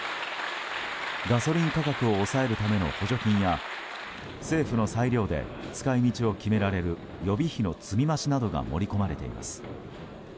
ガソリン価格を抑えるための補助金や政府の裁量で使い道を決められる予備費の積み増しなどが盛り込まれています。